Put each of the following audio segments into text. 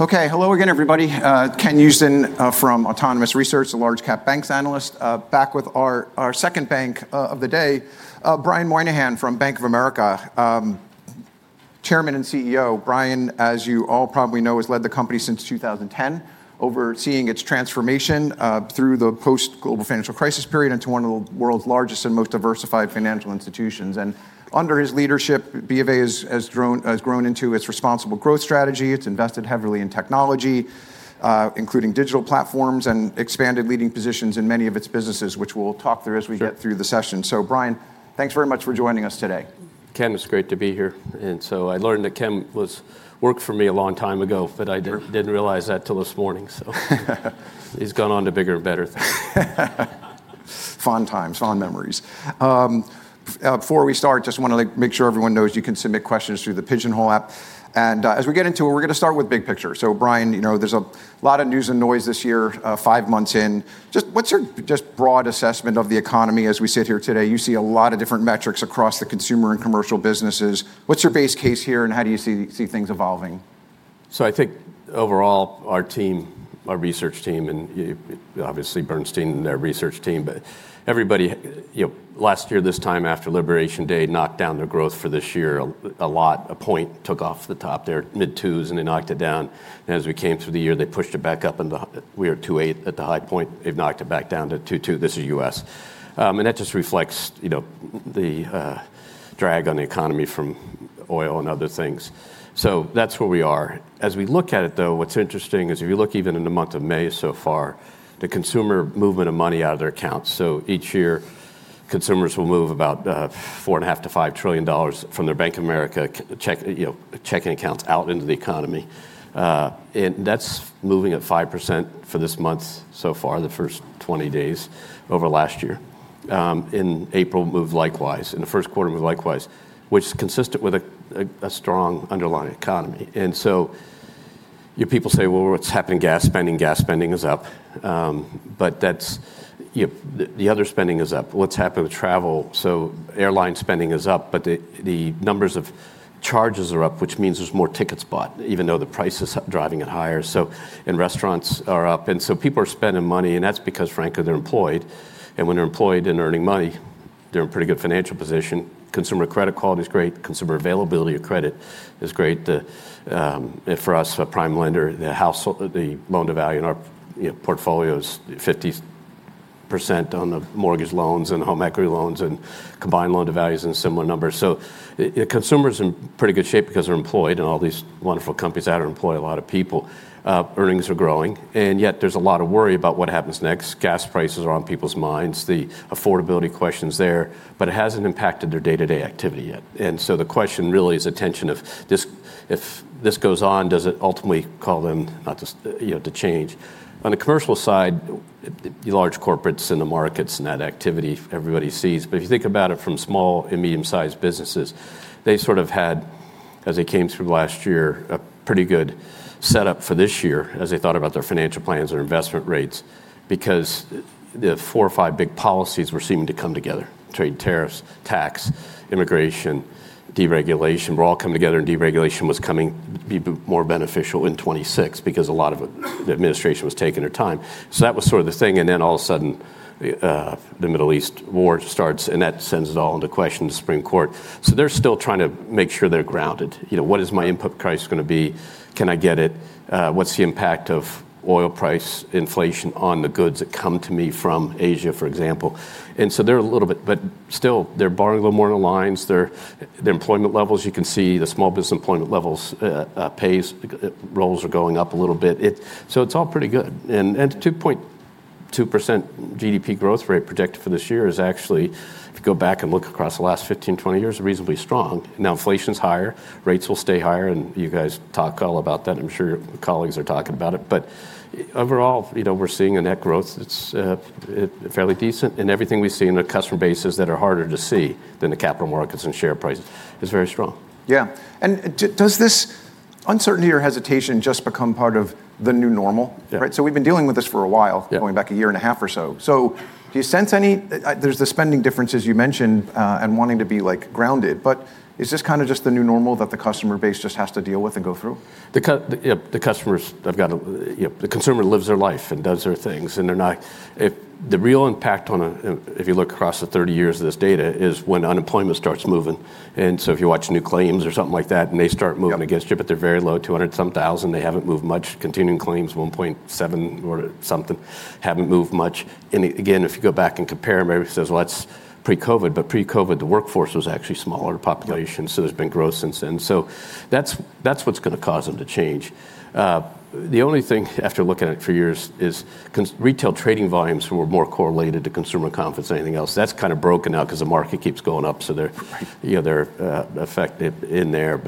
Okay. Hello again, everybody. Ken Usdin from Autonomous Research, a large cap banks analyst, back with our second bank of the day, Brian Moynihan from Bank of America. Chairman and CEO Brian, as you all probably know, has led the company since 2010, overseeing its transformation through the post-global financial crisis period into one of the world's largest and most diversified financial institutions. Under his leadership, Bank of America has grown into its responsible growth strategy. It's invested heavily in technology, including digital platforms, and expanded leading positions in many of its businesses. Sure Get through the session. Brian, thanks very much for joining us today. Ken, it's great to be here. I learned that Ken worked for me a long time ago. Sure Didn't realize that till this morning. He's gone on to bigger and better things. Fun times, fond memories. Before we start, just want to make sure everyone knows you can submit questions through the Pigeonhole Live app. As we get into it, we're going to start with big picture. Brian, there's a lot of news and noise this year, five months in. Just, what's your just broad assessment of the economy as we sit here today? You see a lot of different metrics across the consumer and commercial businesses. What's your base case here, and how do you see things evolving? I think overall, our team, our research team, and obviously Bernstein and their research team, but everybody, last year this time after Liberation Day, knocked down their growth for this year a lot. One point took off the top. They were mid-2s, and they knocked it down. As we came through the year, they pushed it back up, and we are 2.8 at the high point. They've knocked it back down to 2.2. This is U.S. That just reflects the drag on the economy from oil and other things. That's where we are. As we look at it, though, what's interesting is if you look even in the month of May so far, the consumer movement of money out of their accounts. Each year, consumers will move about four and a half to $5 trillion from their Bank of America checking accounts out into the economy. That's moving at 5% for this month so far, the first 20 days over last year. In April, moved likewise. In the first quarter, moved likewise, which is consistent with a strong underlying economy. People say, "Well, what's happening to gas spending?" Gas spending is up. The other spending is up. What's happened with travel? Airline spending is up, but the numbers of charges are up, which means there's more tickets bought, even though the price is driving it higher. Restaurants are up, and so people are spending money, and that's because, frankly, they're employed. When they're employed and earning money, they're in pretty good financial position. Consumer credit quality is great. Consumer availability of credit is great. For us, a prime lender, the loan-to-value in our portfolios, 50% on the mortgage loans and home equity loans, and combined loan-to-values in similar numbers. The consumer's in pretty good shape because they're employed, and all these wonderful companies out here employ a lot of people. Earnings are growing, and yet there's a lot of worry about what happens next. Gas prices are on people's minds, the affordability questions there, but it hasn't impacted their day-to-day activity yet. The question really is a tension of if this goes on, does it ultimately call them not to change. On the commercial side, large corporates in the markets and that activity everybody sees, but if you think about it from small and medium-sized businesses, they sort of had, as they came through last year, a pretty good setup for this year as they thought about their financial plans, their investment rates because the four or five big policies were seeming to come together. Trade tariffs, tax, immigration, deregulation were all coming together, and deregulation was coming, be more beneficial in 2026 because a lot of the administration was taking their time. That was sort of the thing, and then all of a sudden, the Middle East war starts, and that sends it all into question, the Supreme Court. They're still trying to make sure they're grounded. What is my input price going to be? Can I get it? What's the impact of oil price inflation on the goods that come to me from Asia, for example? They're a little bit, but still, they're borrowing a little more on the lines. Their employment levels, you can see the small business employment levels, payrolls are going up a little bit. It's all pretty good. 2.2% GDP growth rate projected for this year is actually, if you go back and look across the last 15, 20 years, reasonably strong. Now inflation's higher. Rates will stay higher, and you guys talk all about that. I'm sure your colleagues are talking about it. Overall, we're seeing a net growth that's fairly decent, and everything we see in the customer bases that are harder to see than the capital markets and share prices is very strong. Yeah. Does this uncertainty or hesitation just become part of the new normal? Yeah. Right? We've been dealing with this for a while. Yeah Going back a year and a half or so. Do you sense any, there's the spending differences you mentioned, and wanting to be grounded, but is this kind of just the new normal that the customer base just has to deal with and go through? The customer lives their life and does their things. If the real impact on, if you look across the 30 years of this data, is when unemployment starts moving. If you watch new claims or something like that, and they start moving. Yep Against you, but they're very low, 200,000, they haven't moved much. Continuing claims, 1.7 or something, haven't moved much. Again, if you go back and compare them, everybody says, "Well, that's pre-COVID," but pre-COVID, the workforce was actually smaller population, so there's been growth since then. That's what's going to cause them to change. The only thing after looking at it for years is retail trading volumes were more correlated to consumer confidence than anything else. That's kind of broken now because the market keeps going up, so they're effective in there.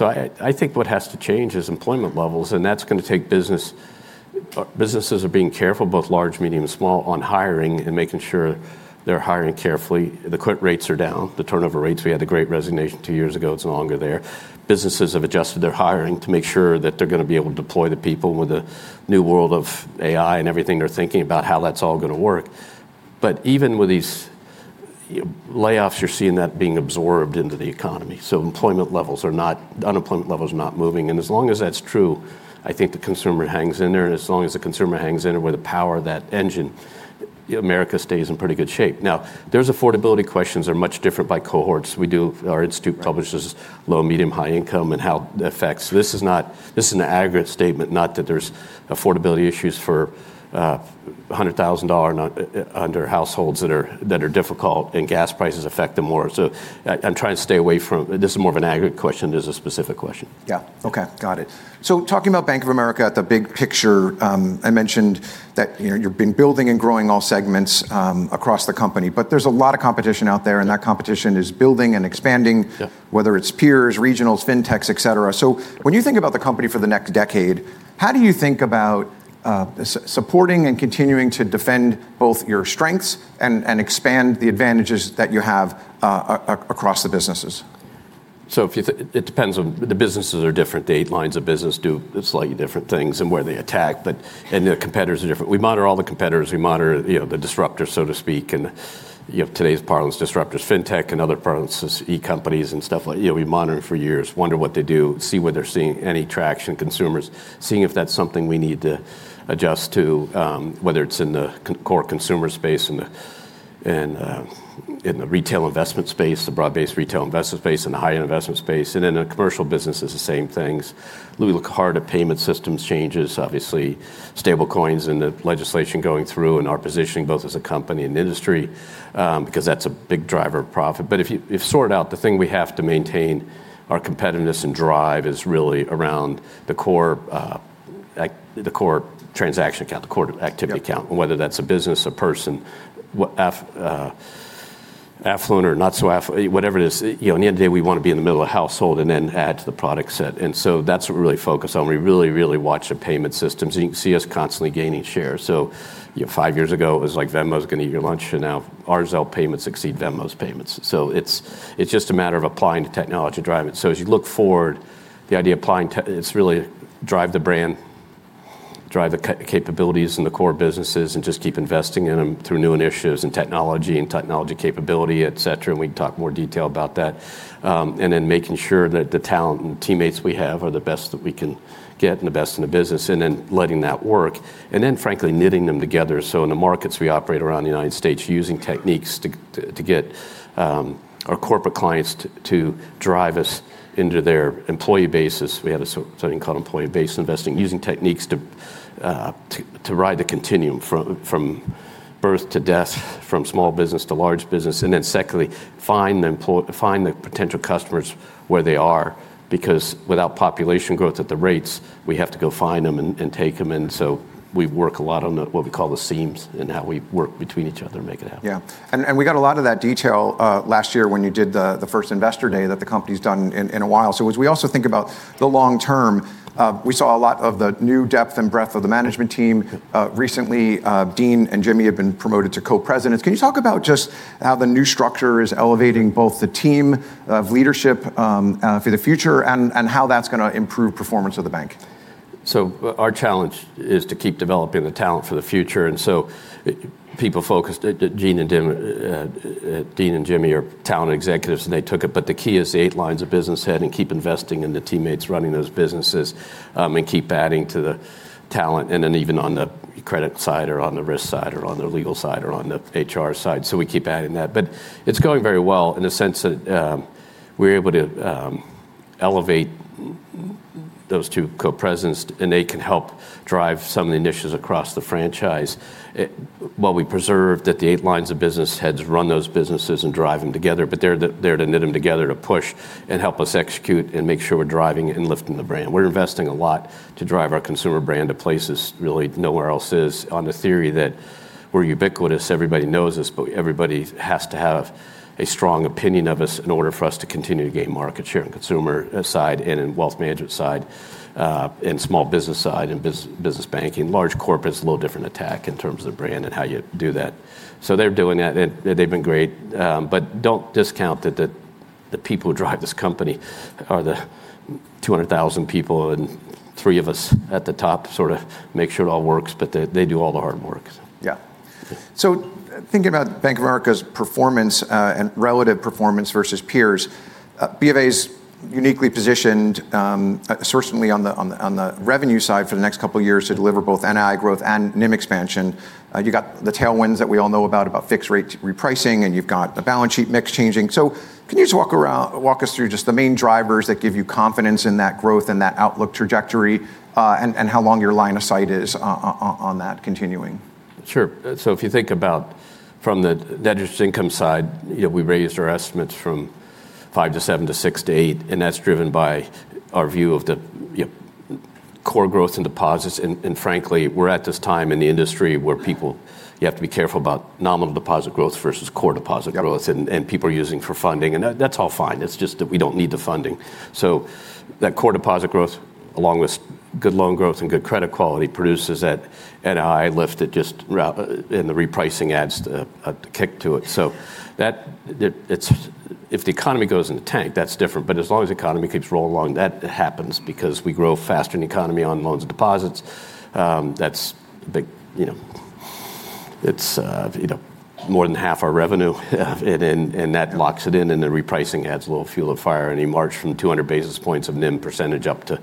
I think what has to change is employment levels, and that's going to take business. Businesses are being careful, both large, medium, and small, on hiring and making sure they're hiring carefully. The quit rates are down, the turnover rates. We had the great resignation two years ago. It's no longer there. Businesses have adjusted their hiring to make sure that they're going to be able to deploy the people with the new world of AI and everything. They're thinking about how that's all going to work. Even with these layoffs, you're seeing that being absorbed into the economy. Employment levels are not, unemployment level's not moving. As long as that's true, I think the consumer hangs in there. As long as the consumer hangs in there with the power of that engine, America stays in pretty good shape. Now, those affordability questions are much different by cohorts. Our institute publishes low, medium, high income, and how it affects. This is an aggregate statement, not that there's affordability issues for $100,000 and under households that are difficult, and gas prices affect them more. I'm trying to stay away from it. This is more of an aggregate question than a specific question. Yeah. Okay. Got it. Talking about Bank of America at the big picture, I mentioned that you've been building and growing all segments across the company, but there's a lot of competition out there, and that competition is building and expanding. Yeah Whether it's peers, regionals, fintechs, et cetera. When you think about the company for the next decade, how do you think about supporting and continuing to defend both your strengths and expand the advantages that you have across the businesses? It depends on, the businesses are different. The eight lines of business do slightly different things and where they attack, their competitors are different. We monitor all the competitors. We monitor the disruptors, so to speak. You have today's parlance, disruptors, fintech and other parlance, e-companies and stuff like. We've been monitoring for years, wonder what they do, see where they're seeing any traction, consumers, seeing if that's something we need to adjust to, whether it's in the core consumer space, in the retail investment space, the broad-based retail investment space, and the high-end investment space. In the commercial business, it's the same things. We look hard at payment systems changes, obviously stablecoins and the legislation going through and our positioning, both as a company and industry, because that's a big driver of profit. If you sort out the thing we have to maintain our competitiveness and drive is really around the core transaction account, the core activity account, whether that's a business, a person, affluent or not so whatever it is, in the end of the day, we want to be in the middle of the household and then add to the product set. That's what we really focus on. We really watch the payment systems, and you can see us constantly gaining shares. Five years ago, it was like Venmo's going to eat your lunch, and now our Zelle payments exceed Venmo's payments. It's just a matter of applying the technology to drive it. As you look forward, the idea of applying tech, it's really drive the brand, drive the capabilities in the core businesses, and just keep investing in them through new initiatives and technology and technology capability, et cetera, and we can talk more detail about that. Then making sure that the talent and teammates we have are the best that we can get and the best in the business, and then letting that work. Then frankly, knitting them together. In the markets we operate around the United States, using techniques to get our corporate clients to drive us into their employee bases. We have something called Employee Banking & Investing, using techniques to ride the continuum from birth to death, from small business to large business. Secondly, find the potential customers where they are, because without population growth at the rates, we have to go find them and take them in. We work a lot on what we call the seams and how we work between each other to make it happen. Yeah. We got a lot of that detail last year when you did the first Investor Day that the company's done in a while. As we also think about the long term, we saw a lot of the new depth and breadth of the management team. Recently, Dean and Jimmy have been promoted to co-presidents. Can you talk about just how the new structure is elevating both the team of leadership for the future and how that's going to improve performance of the bank? Our challenge is to keep developing the talent for the future, and so people focused, Dean and Jimmy are talent executives, and they took it. The key is the eight lines of business head and keep investing in the teammates running those businesses, and keep adding to the talent, and then even on the credit side or on the risk side or on the legal side or on the HR side. We keep adding that. It's going very well in the sense that we're able to elevate those two co-presidents, and they can help drive some of the initiatives across the franchise, while we preserve that the eight lines of business heads run those businesses and drive them together. They're there to knit them together, to push and help us execute and make sure we're driving and lifting the brand. We're investing a lot to drive our consumer brand to places really nowhere else is, on the theory that we're ubiquitous, everybody knows us, but everybody has to have a strong opinion of us in order for us to continue to gain market share on consumer side and in wealth management side, and small business side and business banking. Large corporate's a little different attack in terms of the brand and how you do that. They're doing that, and they've been great. Don't discount that the people who drive this company are the 200,000 people and three of us at the top sort of make sure it all works, but they do all the hard work. Yeah. Thinking about Bank of America's performance and relative performance versus peers, BofA's uniquely positioned, certainly on the revenue side for the next couple of years to deliver both NI growth and NIM expansion. You got the tailwinds that we all know about fixed-rate repricing, and you've got the balance sheet mix changing. Can you just walk us through just the main drivers that give you confidence in that growth and that outlook trajectory, and how long your line of sight is on that continuing? Sure. If you think about from the net interest income side, we raised our estimates from 5%-7% to 6%-8%. That's driven by our view of the core growth in deposits. Frankly, we're at this time in the industry where you have to be careful about nominal deposit growth versus core deposit growth. Got it. People are using for funding, that's all fine. It's just that we don't need the funding. That core deposit growth, along with good loan growth and good credit quality, produces that NI lift, and the repricing adds a kick to it. If the economy goes in the tank, that's different. As long as the economy keeps rolling along, that happens because we grow faster than the economy on loans and deposits. That's a big, it's more than half our revenue, and that locks it in, and the repricing adds a little fuel to the fire. Margin from 200 basis points of NIM percentage up to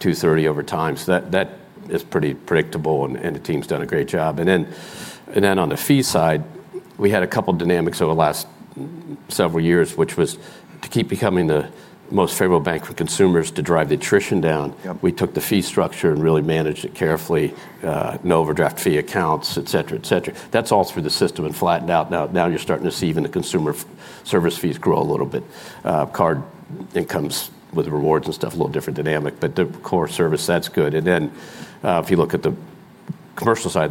230 over time. That is pretty predictable, and the team's done a great job. On the fee side, we had a couple of dynamics over the last several years, which was to keep becoming the most favorable Bank for consumers to drive the attrition down. Yep. We took the fee structure and really managed it carefully, no overdraft fee accounts, et cetera. That's all through the system and flattened out. Now you're starting to see even the consumer service fees grow a little bit. Card incomes with rewards and stuff, a little different dynamic. The core service, that's good. If you look at the commercial side,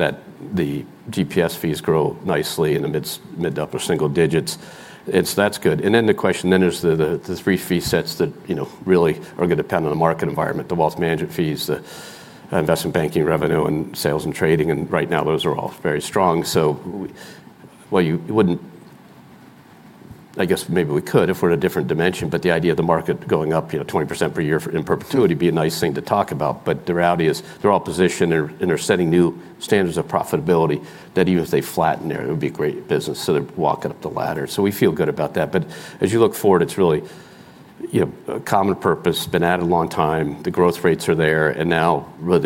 the GTS fees grow nicely in the mid to upper single digits. That's good. The question then is the three fee sets that really are going to depend on the market environment, the wealth management fees, the investment banking revenue, and sales and trading. Right now, those are all very strong. Well, you wouldn't, I guess maybe we could if we're in a different dimension, but the idea of the market going up 20% per year for in perpetuity would be a nice thing to talk about. The reality is they're all positioned, and they're setting new standards of profitability that even if they flatten there, it would be a great business. They're walking up the ladder. We feel good about that. As you look forward, it's really common purpose, been at it a long time. The growth rates are there, and now with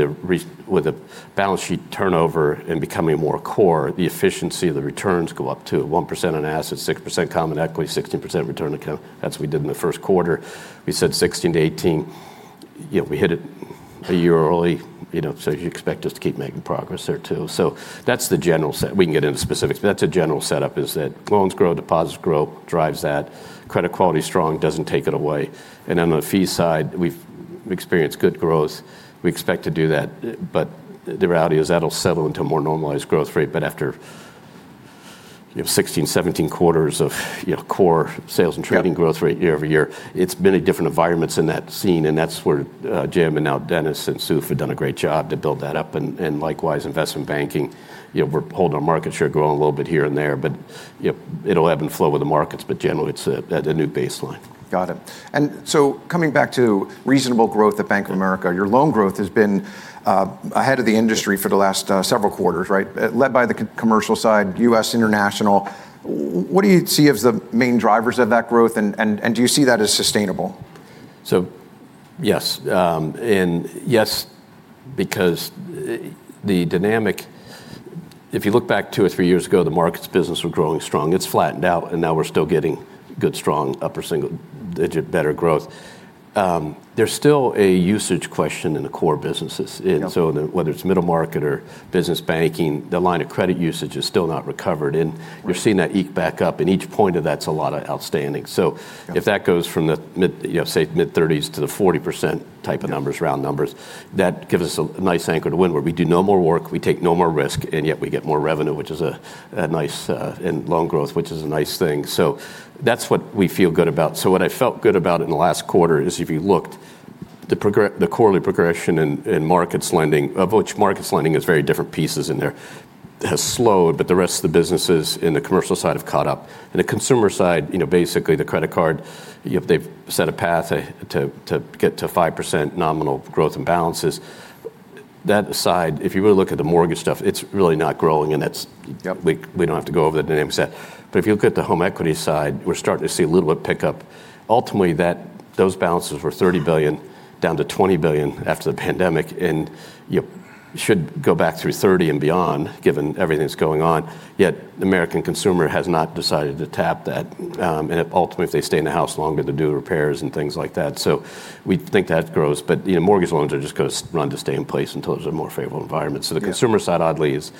a balance sheet turnover and becoming more core, the efficiency of the returns go up too, 1% on assets, 6% common equity, 16% return to TCE. That's what we did in the first quarter. We said 16%-18%. We hit it a year early, so you expect us to keep making progress there too. That's the general set. We can get into specifics, but that's a general setup, is that loans grow, deposits grow, drives that. Credit quality is strong, doesn't take it away. On the fee side, we've experienced good growth. We expect to do that, but the reality is that'll settle into a more normalized growth rate. After 16, 17 quarters of core sales and trading growth rate year-over-year, it's been in different environments in that scene, and that's where Jim, and now Dennis, and Soof have done a great job to build that up, and likewise, investment banking. We're holding our market share, growing a little bit here and there, but it'll ebb and flow with the markets, but generally, it's at a new baseline. Got it. Coming back to responsible growth at Bank of America, your loan growth has been ahead of the industry for the last several quarters, right? Led by the commercial side, U.S., international. What do you see as the main drivers of that growth, and do you see that as sustainable? Yes, and yes because the dynamic, if you look back two or three years ago, the markets business was growing strong. It's flattened out, and now we're still getting good, strong, upper single digit, better growth. There's still a usage question in the core businesses. Yep. Whether it's middle market or business banking, the line of credit usage is still not recovered, and you're seeing that eke back up, and each point of that's a lot of outstanding. If that goes from the mid, say mid 30s to the 40% type of numbers. Yep Round numbers, that gives us a nice anchor to win, where we do no more work, we take no more risk, and yet we get more revenue, which is a nice, and loan growth, which is a nice thing. That's what we feel good about. What I felt good about in the last quarter is if you looked, the quarterly progression in markets lending, of which markets lending is very different pieces in there, has slowed, but the rest of the businesses in the commercial side have caught up. In the consumer side, basically the credit card, if they've set a path to get to 5% nominal growth in balances. That aside, if you really look at the mortgage stuff, it's really not growing and that's. Yep We don't have to go over the dynamics of that. If you look at the home equity side, we're starting to see a little bit of pickup. Ultimately, those balances were $30 billion down to $20 billion after the pandemic, and should go back through $30 and beyond, given everything that's going on, yet the American consumer has not decided to tap that. Ultimately, if they stay in the house longer to do repairs and things like that. We think that grows, but mortgage loans are just going to run to stay in place until there's a more favorable environment. Yeah. The consumer side, oddly, is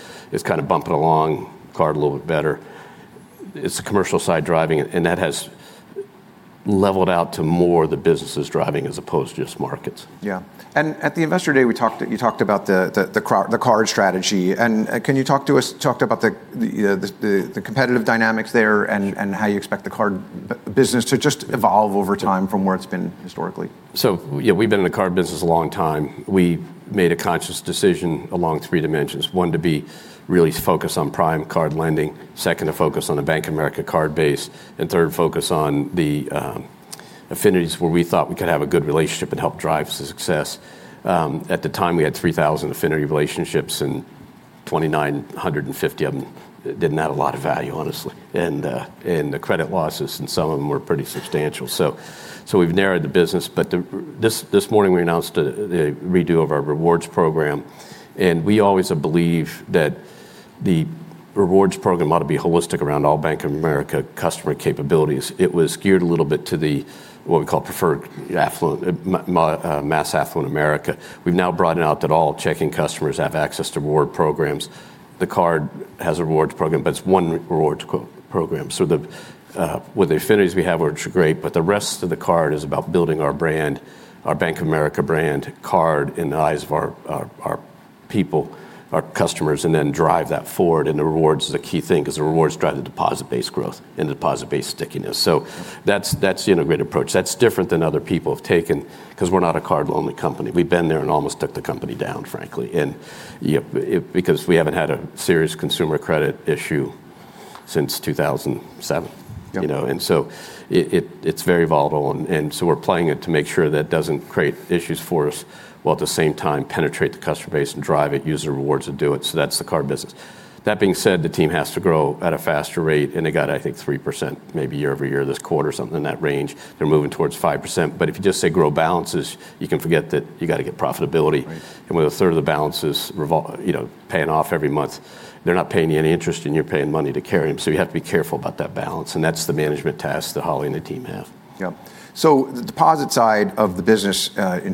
kind of bumping along, card a little bit better. It's the commercial side driving it, and that has leveled out to more the businesses driving as opposed to just markets. Yeah. At the Investor Day, you talked about the card strategy, and talked about the competitive dynamics there and how you expect the card business to just evolve over time from where it's been historically? Yeah, we've been in the card business a long time. We made a conscious decision along three dimensions. One, to be really focused on prime card lending. Second, to focus on the Bank of America card base. Third, focus on the affinities where we thought we could have a good relationship and help drive success. At the time, we had 3,000 affinity relationships and 2,950 of them didn't add a lot of value, honestly, in the credit losses, and some of them were pretty substantial. We've narrowed the business. This morning, we announced a redo of our rewards program, and we always believe that the rewards program ought to be holistic around all Bank of America customer capabilities. It was geared a little bit to the what we call preferred mass affluent America. We've now broadened it out that all checking customers have access to reward programs. The card has a rewards program, but it's one rewards program. With the affinities we have, which are great, but the rest of the card is about building our brand, our Bank of America brand card in the eyes of our people, our customers, and then drive that forward, and the rewards is a key thing because the rewards drive the deposit base growth and the deposit base stickiness. That's the integrated approach. That's different than other people have taken because we're not a card-only company. We've been there and almost took the company down, frankly. Because we haven't had a serious consumer credit issue since 2007. Yep. It's very volatile and so we're playing it to make sure that it doesn't create issues for us, while at the same time penetrate the customer base and drive it, use the rewards to do it. That's the card business. That being said, the team has to grow at a faster rate and they got, I think, 3% maybe year-over-year this quarter, something in that range. They're moving towards 5%. If you just say grow balances, you can forget that you got to get profitability. Right. With a third of the balances paying off every month, they're not paying you any interest and you're paying money to carry them, so you have to be careful about that balance, and that's the management task that Holly and the team have. Yep. The deposit side of the business,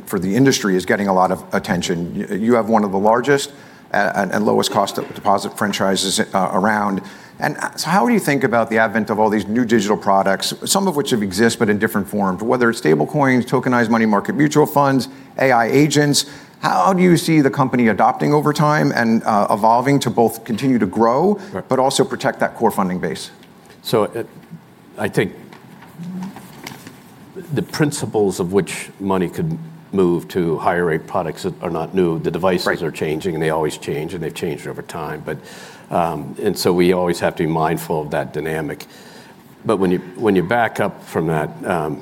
for the industry, is getting a lot of attention. You have one of the largest and lowest cost of deposit franchises around. How do you think about the advent of all these new digital products, some of which have existed but in different forms, whether it's stablecoins, tokenized money market mutual funds, AI agents? How do you see the company adapting over time and evolving to both continue to grow. Right Also protect that core funding base? I think the principles of which money could move to higher rate products are not new. Right The devices are changing and they always change, and they've changed over time. We always have to be mindful of that dynamic. When you back up from that,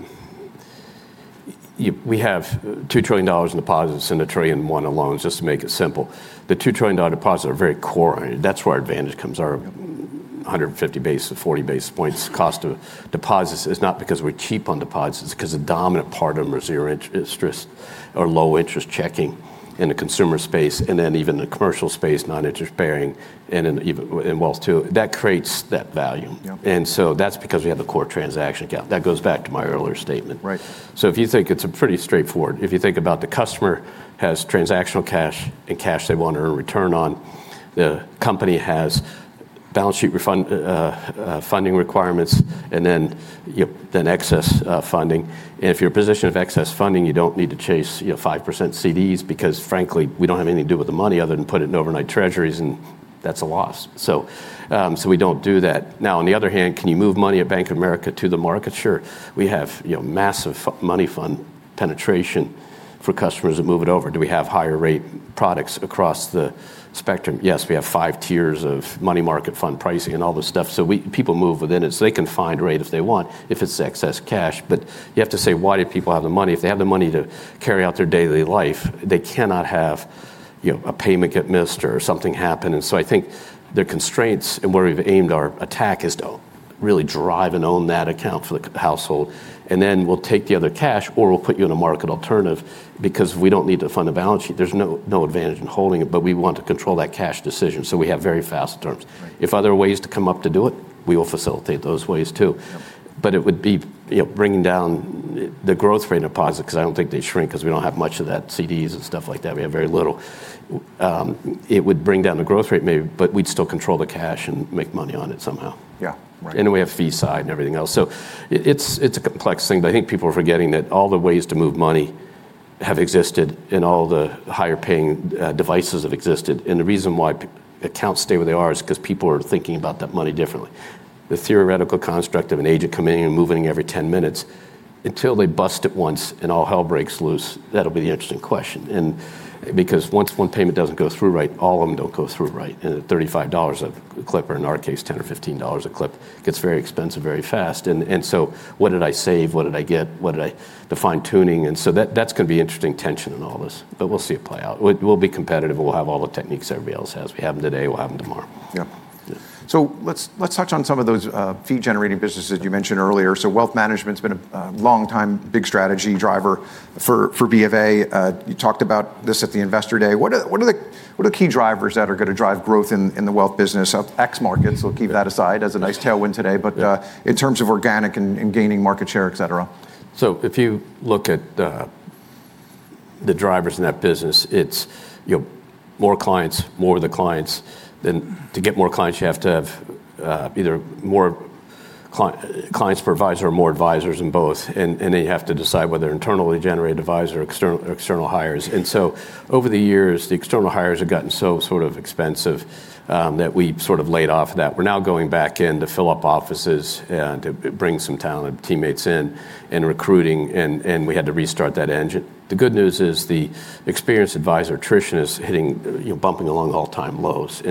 we have $2 trillion in deposits and $1 trillion and 1 in loans, just to make it simple. The $2 trillion deposits are very core. That's where our advantage comes, our 150 basis points to 40 basis points cost of deposits is not because we're cheap on deposits, it's because a dominant part of them are zero-interest or low-interest checking in the consumer space, and then even the commercial space, non-interest-bearing, and in wealth too. That creates that value. Yep. That's because we have the core transaction account. That goes back to my earlier statement. Right. If you think, it's pretty straightforward. If you think about the customer has transactional cash and cash they want to earn a return on, the company has balance sheet funding requirements and then excess funding, and if your position of excess funding, you don't need to chase 5% CDs because, frankly, we don't have anything to do with the money other than put it in overnight treasuries and that's a loss. We don't do that. Now, on the other hand, can you move money at Bank of America to the market? Sure. We have massive money fund penetration for customers that move it over. Do we have higher rate products across the spectrum? Yes. We have 5 Tiers of money market fund pricing and all this stuff, so people move within it, so they can find rate if they want, if it's excess cash. You have to say, why do people have the money? If they have the money to carry out their daily life, they cannot have a payment get missed or something happen. I think their constraints and where we've aimed our attack is to really drive and own that account for the household, and then we'll take the other cash, or we'll put you in a market alternative because we don't need to fund a balance sheet. There's no advantage in holding it, but we want to control that cash decision, so we have very fast terms. Right. If other ways come up to do it, we will facilitate those ways too. Yep. It would be bringing down the growth rate of deposits because I don't think they'd shrink because we don't have much of that CDs and stuff like that. We have very little. It would bring down the growth rate maybe, but we'd still control the cash and make money on it somehow. Yeah. Right. We have fee side and everything else. It's a complex thing, but I think people are forgetting that all the ways to move money have existed, and all the higher paying devices have existed, and the reason why accounts stay where they are is because people are thinking about that money differently. The theoretical construct of an agent coming in and moving every 10 minutes, until they bust it once and all hell breaks loose, that'll be the interesting question. Because once one payment doesn't go through right, all of them don't go through right, and at $35 a clip or, in our case, $10 or $15 a clip, it gets very expensive very fast. What did I save? What did I get? The fine-tuning, that's going to be interesting tension in all this, we'll see it play out. We'll be competitive and we'll have all the techniques everybody else has. We have them today, we'll have them tomorrow. Yep. Yeah. Let's touch on some of those fee-generating businesses you mentioned earlier. Wealth management's been a long time big strategy driver for Bank of America. You talked about this at the Investor Day. What are the key drivers that are going to drive growth in the wealth business of X markets? We'll keep that aside as a nice tailwind today, but in terms of organic and gaining market share, et cetera. If you look at the drivers in that business, it's more clients, more the clients. To get more clients, you have to have either more clients per advisor or more advisors in both. You have to decide whether they're internally generated advisor or external hires. Over the years, the external hires have gotten so expensive, that we laid off that. We're now going back in to fill up offices and to bring some talented teammates in, and recruiting, and we had to restart that engine. The good news is the experienced advisor attrition is bumping along all-time lows.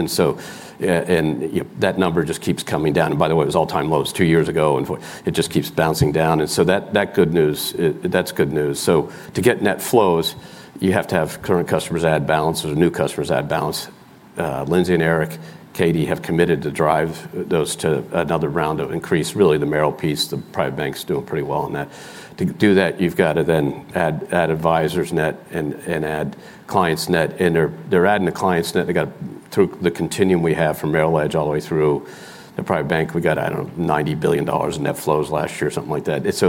That number just keeps coming down. By the way, it was all-time lows two years ago, and it just keeps bouncing down, and so that's good news. To get net flows, you have to have current customers add balance or new customers add balance. Lindsay and Eric, Katy, have committed to drive those to another round of increase. Really the Merrill piece, the private bank's doing pretty well in that. To do that, you've got to then add advisors net and add clients net. They're adding the clients net. They got through the continuum we have from Merrill Edge all the way through the private bank. We got, I don't know, $90 billion in net flows last year, something like that. It's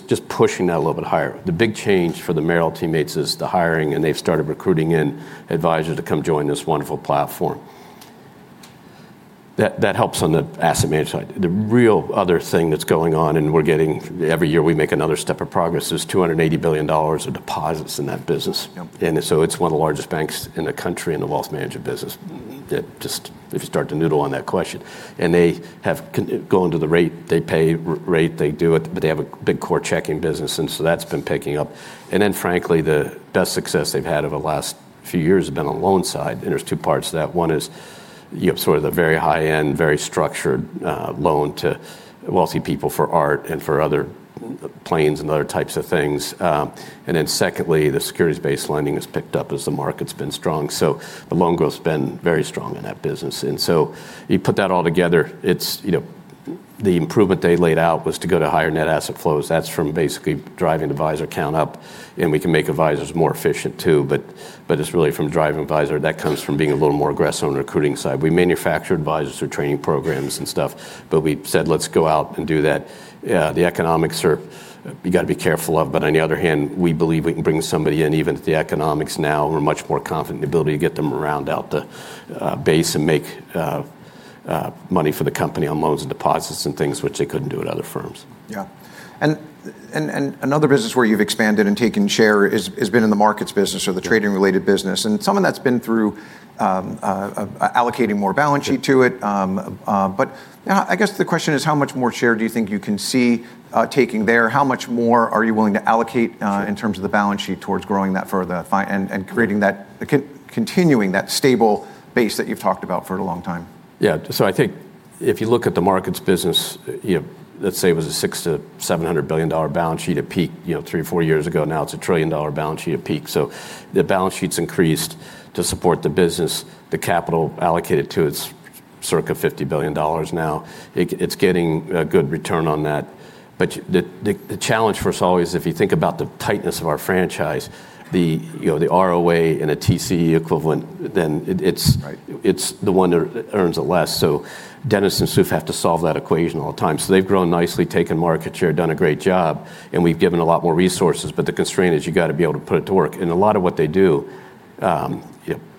just pushing that a little bit higher. The big change for the Merrill teammates is the hiring, and they've started recruiting in advisors to come join this wonderful platform. That helps on the asset management side. The real other thing that's going on, and every year we make another step of progress, is $280 billion of deposits in that business. Yep. It's one of the largest banks in the country in the wealth management business. Just if you start to noodle on that question. They have gone to the rate they pay, rate they do it, they have a big core checking business, that's been picking up. Frankly, the best success they've had over the last few years has been on the loan side, there's two parts to that. One is you have sort of the very high-end, very structured loan to wealthy people for art and for other planes and other types of things. Secondly, the securities-based lending has picked up as the market's been strong. The loan growth's been very strong in that business. You put that all together, the improvement they laid out was to go to higher net asset flows. That's from basically driving advisor count up, we can make advisors more efficient, too. It's really from driving advisor that comes from being a little more aggressive on the recruiting side. We manufacture advisors through training programs and stuff. We said let's go out and do that. The economics you got to be careful of. On the other hand, we believe we can bring somebody in, even at the economics now, we're much more confident in the ability to get them around out the base and make money for the company on loans and deposits and things which they couldn't do at other firms. Yeah. Another business where you've expanded and taken share has been in the markets business or the trading related business. Some of that's been through allocating more balance sheet to it. I guess the question is, how much more share do you think you can see taking there? How much more are you willing to allocate, in terms of the balance sheet, towards growing that further and continuing that stable base that you've talked about for a long time? Yeah. I think if you look at the markets business, let's say it was a $600 billion-$700 billion balance sheet at peak three or four years ago, now it's a $1 trillion balance sheet at peak. The balance sheet's increased to support the business, the capital allocated to it is circa $50 billion now. It's getting a good return on that. The challenge for us, always, if you think about the tightness of our franchise, the ROA and a TCE equivalent. Right it's the one that earns it less. Dennis and Suf have to solve that equation all the time. They've grown nicely, taken market share, done a great job, and we've given a lot more resources. The constraint is you got to be able to put it to work. A lot of what they do,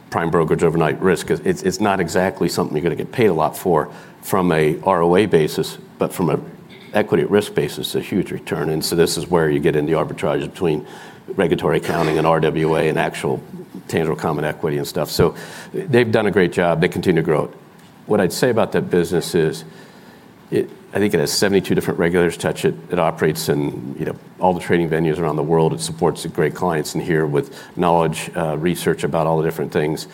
prime brokerage, overnight risk, it's not exactly something you're going to get paid a lot for from a ROA basis. From an equity at risk basis, it's a huge return. This is where you get into the arbitrage between regulatory accounting and RWA and actual tangible common equity and stuff. They've done a great job. They continue to grow. What I'd say about that business is, I think it has 72 different regulators touch it. It operates in all the trading venues around the world. It supports great clients in here with knowledge, research about all the different things.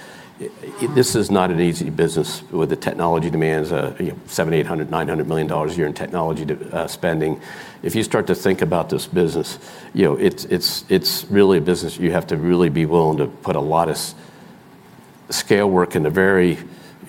This is not an easy business with the technology demands, $700, $800, $900 million a year in technology spending. If you start to think about this business, it's really a business you have to really be willing to put a lot of scale work in a very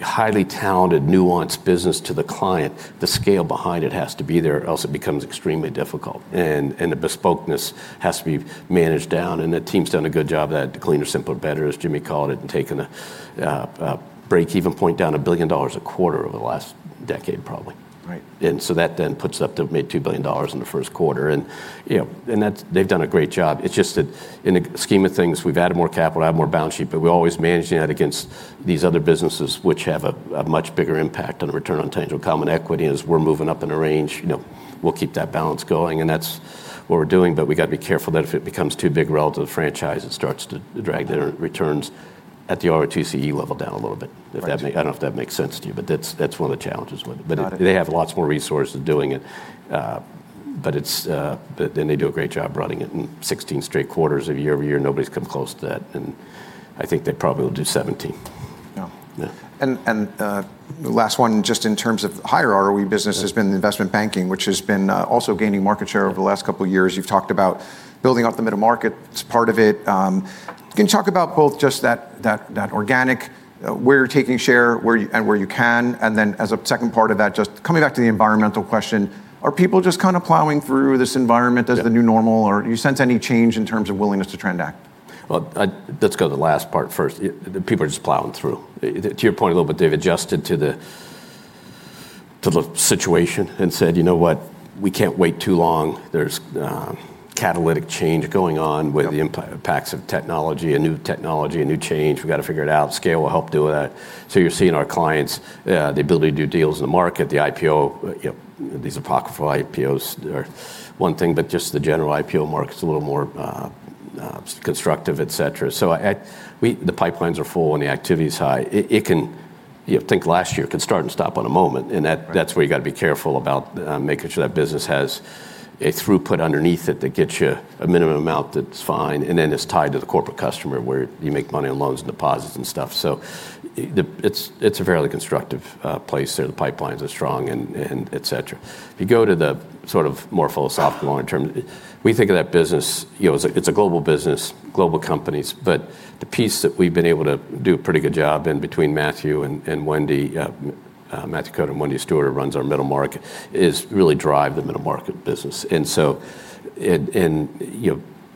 highly talented, nuanced business to the client. The scale behind it has to be there, or else it becomes extremely difficult, and the bespokeness has to be managed down. The team's done a good job at cleaner, simpler, better, as Jimmy called it, and taken a breakeven point down $1 billion a quarter over the last decade, probably. Right. That then puts up to made $2 billion in the first quarter. They've done a great job. It's just that in the scheme of things, we've added more capital, added more balance sheet, but we're always managing that against these other businesses, which have a much bigger impact on the return on tangible common equity as we're moving up in a range. We'll keep that balance going, and that's what we're doing, but we got to be careful that if it becomes too big relative to the franchise, it starts to drag the returns at the ROTCE level down a little bit. Right. I don't know if that makes sense to you, but that's one of the challenges with it. Got it. They have lots more resources doing it. They do a great job running it. 16 straight quarters of year-over-year, nobody's come close to that, and I think they probably will do 17. Yeah. Yeah. The last one, just in terms of higher ROE business, has been the investment banking, which has been also gaining market share over the last couple of years. You've talked about building up the middle market as part of it. Can you talk about both just that organic, where you're taking share and where you can? Then as a second part of that, just coming back to the environmental question, are people just kind of plowing through this environment as the new normal, or do you sense any change in terms of willingness to transact? Let's go to the last part first. People are just plowing through. To your point a little bit, they've adjusted to the situation and said, "You know what, we can't wait too long." There's catalytic change going on with the impacts of technology and new technology and new change. We've got to figure it out. Scale will help do that. You're seeing our clients, the ability to do deals in the market, the IPO, these apocryphal IPOs are one thing, but just the general IPO market's a little more constructive, et cetera. The pipelines are full, and the activity is high. Think last year, it could start and stop on a moment, that's where you got to be careful about making sure that business has a throughput underneath it that gets you a minimum amount that's fine, and then it's tied to the corporate customer, where you make money on loans and deposits and stuff. It's a fairly constructive place there. The pipelines are strong and et cetera. If you go to the sort of more philosophical, long term, we think of that business, it's a global business, global companies, but the piece that we've been able to do a pretty good job in between Matthew and Wendy, Matthew Koder and Wendy Stewart, who runs our Middle Market, is really drive the Middle Market business.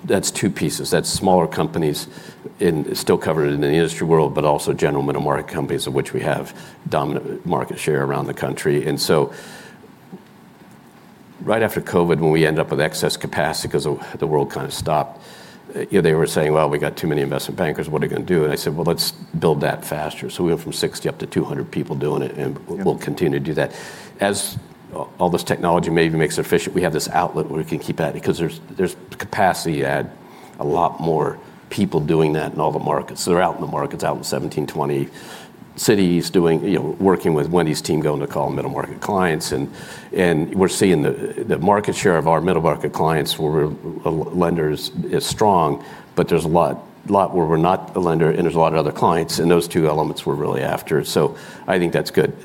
That's two pieces. That's smaller companies, still covered in the industry world, but also general middle market companies of which we have dominant market share around the country. Right after COVID, when we end up with excess capacity because the world kind of stopped, they were saying, "Well, we got too many investment bankers. What are they going to do?" I said, "Well, let's build that faster." We went from 60 up to 200 people doing it, and we'll continue to do that. As all this technology maybe makes it efficient, we have this outlet where we can keep adding, because there's capacity to add a lot more people doing that in all the markets. They're out in the markets, out in 17, 20 cities, working with Wendy's team, going to call middle market clients. We're seeing the market share of our middle market clients where a lender is strong, but there's a lot where we're not a lender, and there's a lot of other clients, and those two elements we're really after. I think that's good.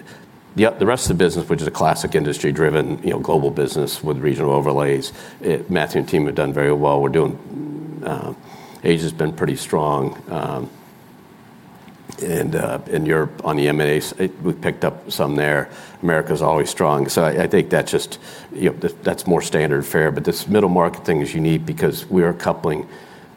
Yeah, the rest of the business, which is a classic industry-driven global business with regional overlays, Matthew and team have done very well. Asia's been pretty strong, and in Europe on the M&As, we've picked up some there. America's always strong. I think that's more standard fare. This middle market thing is unique because we are coupling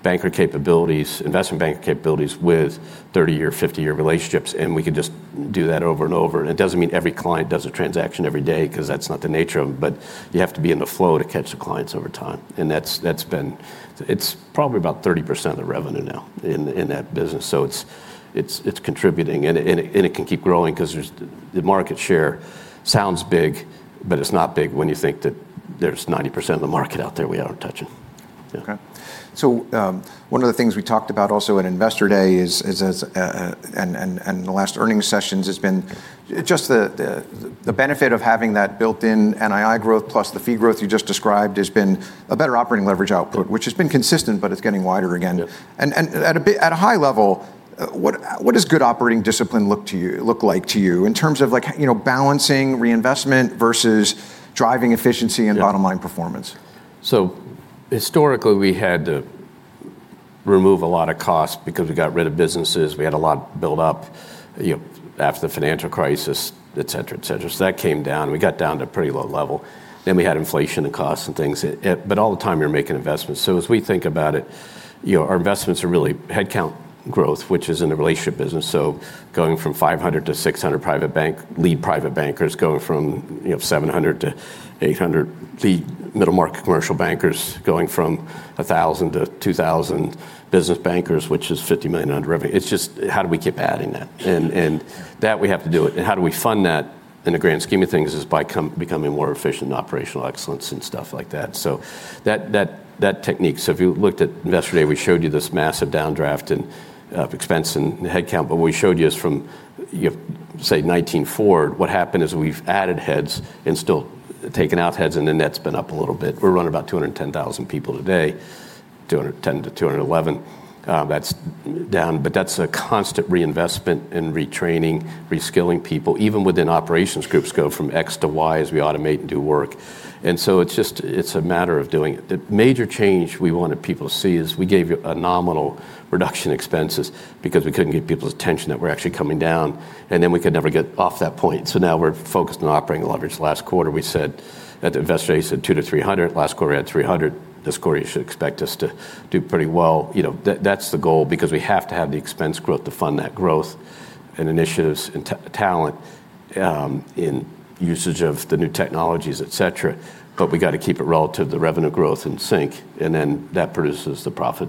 banker capabilities, investment bank capabilities, with 30-year, 50-year relationships, and we can just do that over and over. It doesn't mean every client does a transaction every day, because that's not the nature of it, but you have to be in the flow to catch the clients over time. It's probably about 30% of the revenue now in that business. It's contributing, and it can keep growing because the market share sounds big, but it's not big when you think that there's 90% of the market out there we aren't touching. Yeah. Okay. One of the things we talked about also at Investor Day and the last earning sessions has been just the benefit of having that built-in NII growth plus the fee growth you just described has been a better operating leverage output, which has been consistent, but it's getting wider again. Yeah. At a high level, what does good operating discipline look like to you in terms of balancing reinvestment versus driving efficiency and bottom line performance? Historically, we had to remove a lot of costs because we got rid of businesses. We had a lot built up after the financial crisis, et cetera. That came down, and we got down to a pretty low level. We had inflation and costs and things. All the time you're making investments. As we think about it, our investments are really headcount growth, which is in the relationship business. Going from 500 to 600 private bank, lead private bankers going from 700 to 800. The middle market commercial bankers going from 1,000 to 2,000 business bankers, which is $50 million and under revenue. It's just how do we keep adding that? That we have to do it. How do we fund that in the grand scheme of things is by becoming more efficient in operational excellence and stuff like that. That technique, if you looked at yesterday, we showed you this massive downdraft and expense in headcount, but what we showed you is from, say, 2019 forward, what happened is we've added heads and still taken out heads, and the net's been up a little bit. We're running about 210,000 people today, 210-211. That's down, but that's a constant reinvestment in retraining, re-skilling people, even within operations groups go from X to Y as we automate and do work. It's a matter of doing it. The major change we wanted people to see is we gave you a nominal reduction expenses because we couldn't get people's attention that we're actually coming down, we could never get off that point. Now we're focused on operating leverage. Last quarter, we said at the Investor Day, we said 2-300. Last quarter, we had 300. This quarter, you should expect us to do pretty well. That's the goal because we have to have the expense growth to fund that growth and initiatives and talent, in usage of the new technologies, et cetera. We got to keep it relative to revenue growth in sync, and then that produces the profit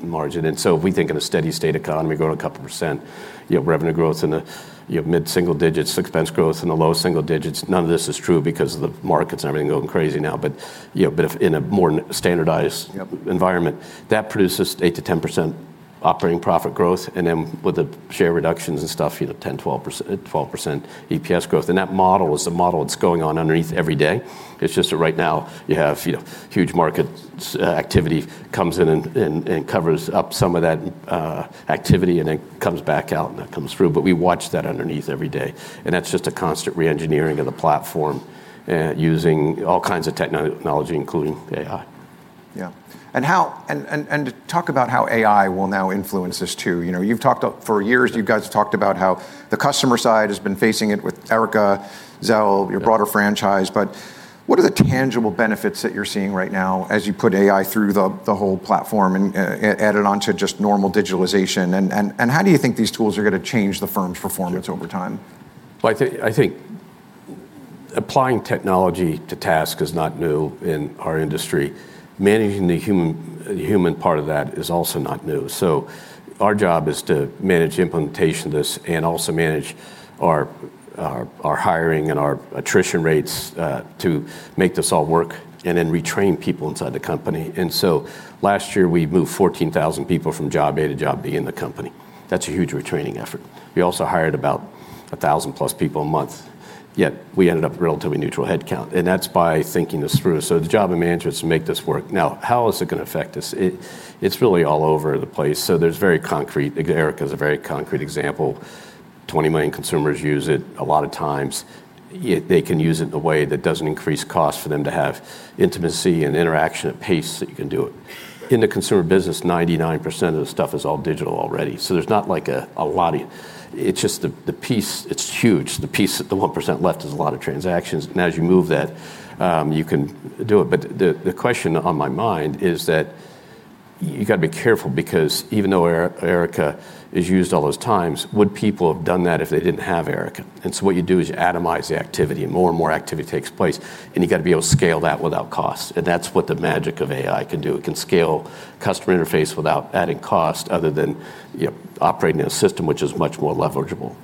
margin. If we think in a steady state economy growing a couple percent, revenue growth in the mid-single digits, expense growth in the low single digits. None of this is true because the market's and everything going crazy now, but if in a more standardized environment, that produces 8%-10% operating profit growth. Then with the share reductions and stuff, 10%-12% EPS growth. That model is the model that's going on underneath every day. It's just that right now you have huge market activity comes in and covers up some of that activity, and then comes back out, and it comes through. We watch that underneath every day, and that's just a constant re-engineering of the platform, using all kinds of technology, including AI. Yeah. Talk about how AI will now influence this too. For years, you guys have talked about how the customer side has been facing it with Erica, Zelle, your broader franchise, but what are the tangible benefits that you're seeing right now as you put AI through the whole platform and add it onto just normal digitalization? How do you think these tools are going to change the firm's performance over time? I think applying technology to task is not new in our industry. Managing the human part of that is also not new. Our job is to manage the implementation of this and also manage our hiring and our attrition rates, to make this all work and then retrain people inside the company. Last year, we moved 14,000 people from job A to job B in the company. That's a huge retraining effort. We also hired about 1,000+ people a month, yet we ended up relatively neutral headcount. That's by thinking this through. The job of management is to make this work. Now, how is it going to affect us? It's really all over the place. There's very concrete, Erica's a very concrete example. 20 million consumers use it a lot of times. They can use it in a way that doesn't increase cost for them to have intimacy and interaction at pace that you can do it. In the consumer business, 99% of the stuff is all digital already. It's just the piece, it's huge. The piece, the 1% left is a lot of transactions. As you move that, you can do it. The question on my mind is that you got to be careful because even though Erica is used all those times, would people have done that if they didn't have Erica? What you do is you atomize the activity, and more and more activity takes place, and you got to be able to scale that without cost. That's what the magic of AI can do. It can scale customer interface without adding cost other than operating in a system which is much more leverageable.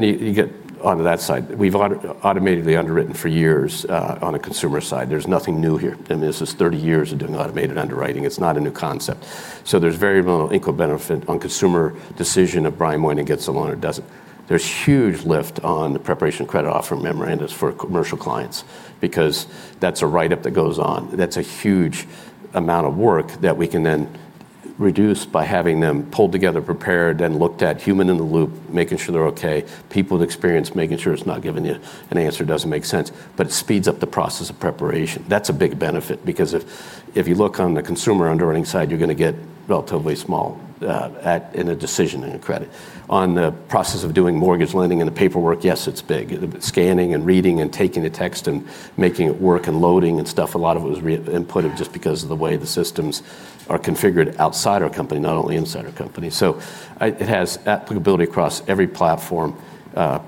You get onto that side. We've automated the underwriting for years, on a consumer side. There's nothing new here. I mean, this is 30 years of doing automated underwriting. It's not a new concept. There's very little incremental benefit on consumer decision of Brian Moynihan gets a loan or doesn't. There's huge lift on the preparation of credit offer memorandums for commercial clients because that's a write-up that goes on. That's a huge amount of work that we can then reduced by having them pulled together, prepared, and looked at, human in the loop, making sure they're okay, people with experience making sure it's not giving you an answer that doesn't make sense. It speeds up the process of preparation. That's a big benefit, because if you look on the consumer underwriting side, you're going to get relatively small in a decision in a credit. On the process of doing mortgage lending and the paperwork, yes, it's big. Scanning and reading and taking the text and making it work and loading and stuff, a lot of it was re-inputted just because of the way the systems are configured outside our company, not only inside our company. It has applicability across every platform. We're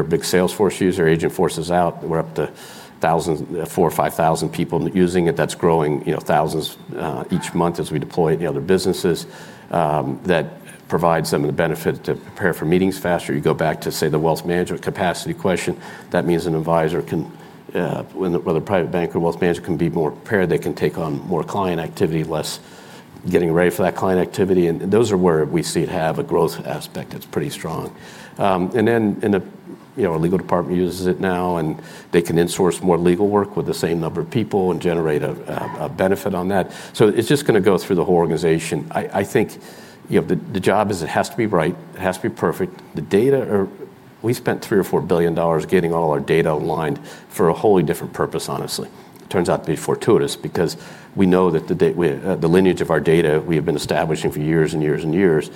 a big Salesforce user. Agentforce is out. We're up to 4,000 or 5,000 people using it. That's growing thousands each month as we deploy it to other businesses. That provides them the benefit to prepare for meetings faster. You go back to, say, the wealth management capacity question. That means an advisor, whether private banker or wealth manager, can be more prepared. They can take on more client activity, less getting ready for that client activity. Those are where we see it have a growth aspect that's pretty strong. Our legal department uses it now, and they can insource more legal work with the same number of people and generate a benefit on that. It's just going to go through the whole organization. I think the job is, it has to be right. It has to be perfect. The data, we spent $3 or $4 billion getting all our data aligned for a wholly different purpose, honestly. It turns out to be fortuitous because we know that the lineage of our data we have been establishing for years and years and years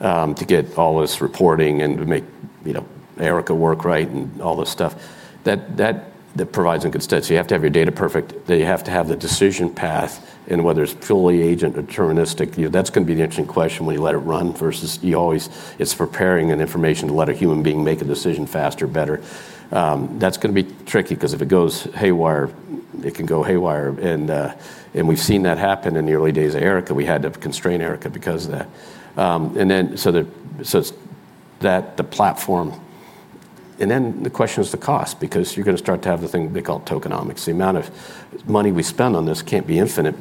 to get all this reporting and to make Erica work right and all this stuff, that provides a good stead. You have to have your data perfect. You have to have the decision path in whether it's fully agent or deterministic. That's going to be the interesting question, will you let it run versus it's preparing information to let a human being make a decision faster, better? That's going to be tricky, because if it goes haywire, it can go haywire, and we've seen that happen in the early days of Erica. We had to constrain Erica because of that. The question is the cost, because you're going to start to have the thing they call tokenomics. The amount of money we spend on this can't be infinite.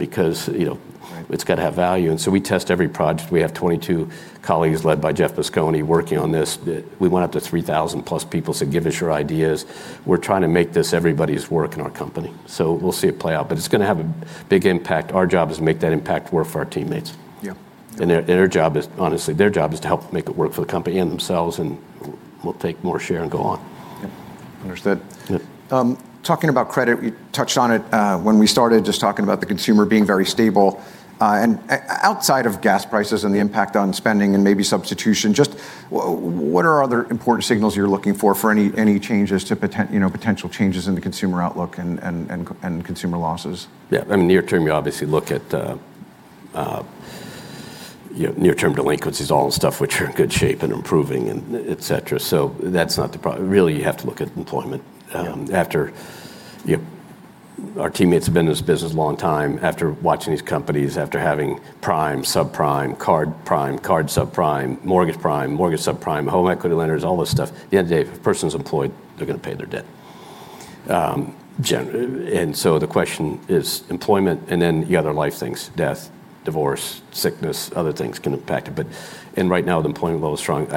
It's got to have value. We test every project. We have 22 colleagues led by Jeff Mosconi working on this. We went up to 3,000+ people, said, "Give us your ideas." We're trying to make this everybody's work in our company. We'll see it play out. It's going to have a big impact. Our job is to make that impact work for our teammates. Yeah. Their job is, honestly, their job is to help make it work for the company and themselves, and we'll take more share and go on. Yeah. Understood. Talking about credit, you touched on it when we started, just talking about the consumer being very stable. Outside of gas prices and the impact on spending and maybe substitution, just what are other important signals you're looking for any potential changes in the consumer outlook and consumer losses? Yeah, near-term, you obviously look at near-term delinquencies, all the stuff which are in good shape and improving, et cetera. That's not the problem. Really, you have to look at employment. Yeah. Our teammates have been in this business a long time. After watching these companies, after having prime, subprime, card prime, card subprime, mortgage prime, mortgage subprime, home equity lenders, all this stuff, at the end of the day, if a person's employed, they're going to pay their debt. The question is employment, and then the other life things, death, divorce, sickness, other things can impact it. Right now, the employment level is strong.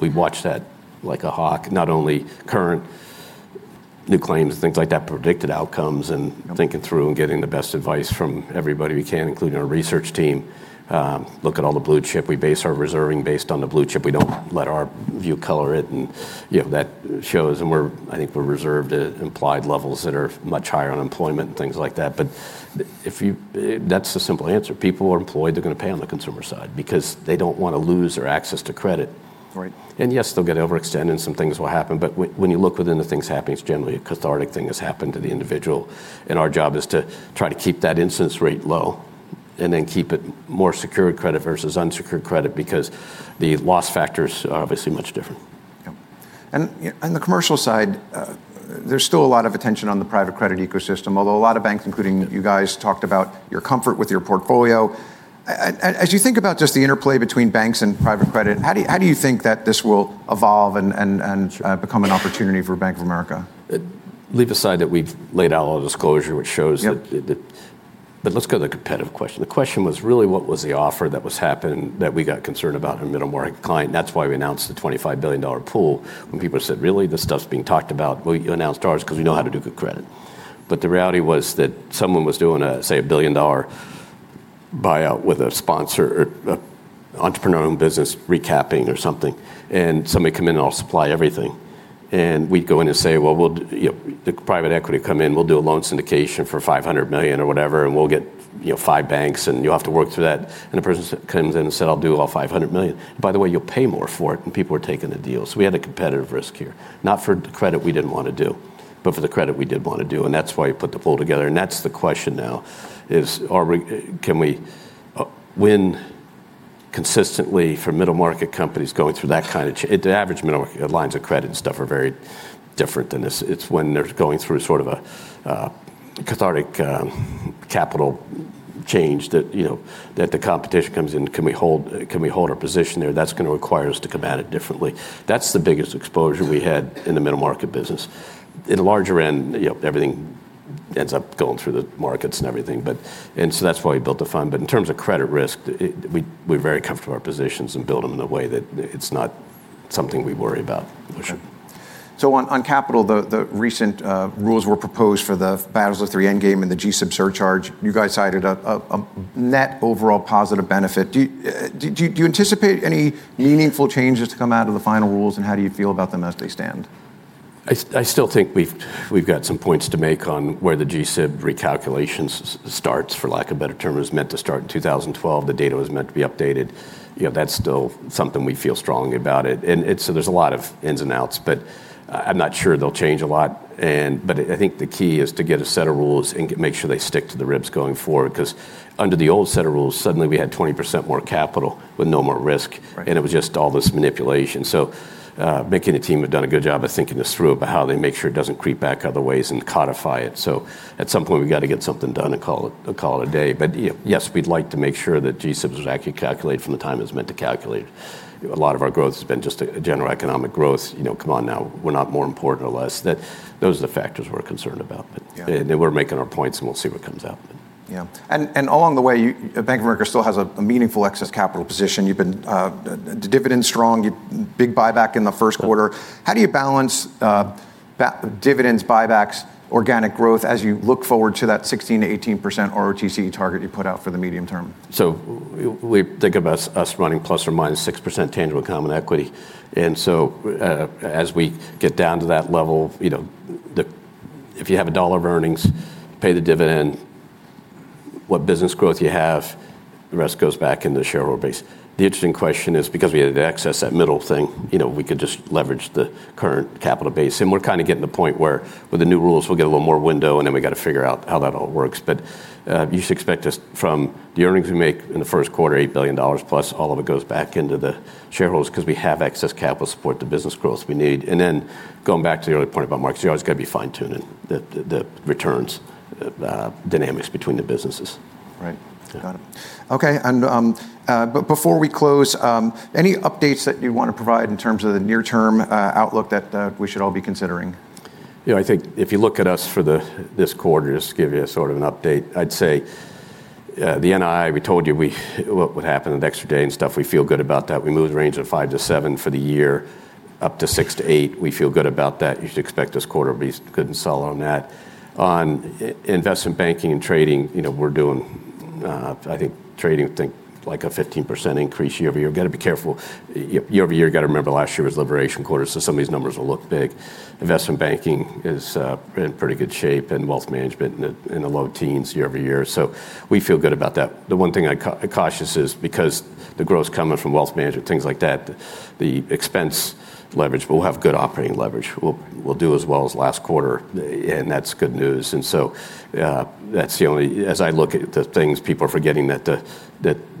We watch that like a hawk, not only current new claims, things like that, predicted outcomes, and thinking through and getting the best advice from everybody we can, including our research team. Look at all the Blue Chip. We base our reserving based on the Blue Chip. We don't let our view color it, and that shows, and I think we're reserved at implied levels that are much higher on employment and things like that. That's the simple answer. If people are employed, they're going to pay on the consumer side because they don't want to lose their access to credit. Right. Yes, they'll get overextended and some things will happen, but when you look within the things happening, it's generally a cathartic thing has happened to the individual, and our job is to try to keep that incidence rate low, and then keep it more secured credit versus unsecured credit because the loss factors are obviously much different. Yeah. On the commercial side, there's still a lot of attention on the private credit ecosystem, although a lot of banks, including you guys, talked about your comfort with your portfolio. As you think about just the interplay between banks and private credit, how do you think that this will evolve and become an opportunity for Bank of America? Leave aside that we've laid out all the disclosure. Yep Let's go to the competitive question. The question was really, what was the offer that was happening that we got concerned about in middle market client? That's why we announced the $25 billion pool. When people said, "Really? This stuff's being talked about." You announced ours because we know how to do good credit. The reality was that someone was doing a, say, a billion-dollar buyout with a sponsor or an entrepreneur-owned business recapping or something, and somebody come in and offer to supply everything. We'd go in and say, "Well, the private equity come in, we'll do a loan syndication for $500 million or whatever, and we'll get five banks, and you'll have to work through that." The person comes in and said, "I'll do all $500 million." By the way, you'll pay more for it. People are taking the deal. We had a competitive risk here, not for the credit we didn't want to do, but for the credit we did want to do, and that's why you put the pool together. That's the question now is, can we win consistently for middle market companies going through that kind of change? The average middle market lines of credit and stuff are very different than this. It's when they're going through sort of a cathartic capital change that the competition comes in. Can we hold our position there? That's going to require us to come at it differently. That's the biggest exposure we had in the middle market business. In the larger end, everything ends up going through the markets and everything. That's why we built the fund. In terms of credit risk, we're very comfortable with our positions and build them in a way that it's not something we worry about much. On capital, the recent rules were proposed for the Basel III endgame and the GSIB surcharge. You guys cited a net overall positive benefit. Do you anticipate any meaningful changes to come out of the final rules, and how do you feel about them as they stand? I still think we've got some points to make on where the GSIB recalculation start, for lack of better term. It was meant to start in 2012. The data was meant to be updated. That's still something we feel strongly about. There's a lot of ins and outs, but I'm not sure they'll change a lot. I think the key is to get a set of rules and make sure they stick to the ribs going forward, because under the old set of rules, suddenly we had 20% more capital with no more risk. Right. It was just all this manipulation. Mike and the team have done a good job of thinking this through about how they make sure it doesn't creep back other ways and codify it. At some point, we've got to get something done and call it a day. Yes, we'd like to make sure that GSIB is actually calculated from the time it's meant to calculate. A lot of our growth has been just general economic growth. Come on now, we're not more important or less. Those are the factors we're concerned about. Yeah. We're making our points, and we'll see what comes out. Yeah. Along the way, Bank of America still has a meaningful excess capital position. You've been dividend strong, big buyback in the first quarter. How do you balance dividends, buybacks, organic growth as you look forward to that 16%-18% ROTCE target you put out for the medium term? We think about us running ±6% tangible common equity. As we get down to that level, if you have a dollar of earnings, pay the dividend, what business growth you have, the rest goes back into the shareholder base. The interesting question is because we had the excess, that middle thing, we could just leverage the current capital base, and we're kind of getting to the point where with the new rules, we'll get a little more window, and then we got to figure out how that all works. You should expect from the earnings we make in the first quarter, $8 billion+, all of it goes back into the shareholders because we have excess capital support, the business growth we need. Going back to the earlier point about markets, you've always got to be fine-tuning the returns dynamics between the businesses. Right. Got it. Okay, before we close, any updates that you want to provide in terms of the near-term outlook that we should all be considering? I think if you look at us for this quarter, just to give you sort of an update, I'd say the NII, we told you what would happen the next day and stuff. We feel good about that. We moved the range of five to seven for the year up to six to eight. We feel good about that. You should expect this quarter, be good and solid on that. On investment banking and trading, we're doing, I think, trading, think like a 15% increase year-over-year. Got to be careful. Year-over-year, got to remember last year was liberation quarter, so some of these numbers will look big. Investment banking is in pretty good shape, and wealth management in the low teens year-over-year. We feel good about that. The one thing I'm cautious is because the growth's coming from wealth management, things like that, the expense leverage, but we'll have good operating leverage. We'll do as well as last quarter, and that's good news. That's the only as I look at the things, people are forgetting that the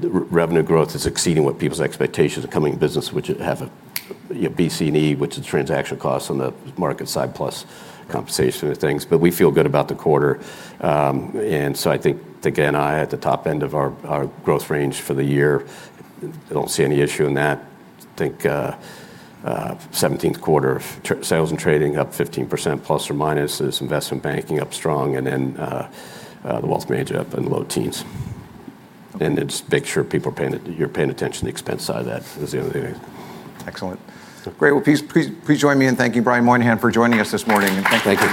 revenue growth is exceeding what people's expectations are coming business, which have a BC&E, which is transaction costs on the market side plus compensation and things. We feel good about the quarter. I think the NII at the top end of our growth range for the year, I don't see any issue in that. Think Seventeenth quarter of sales and trading up 15% ±, there's investment banking up strong, and then the wealth management up in the low teens. Just make sure you're paying attention to the expense side of that is the only thing. Excellent. Great. Well, please join me in thanking Brian Moynihan for joining us this morning, and thank you. Thank you.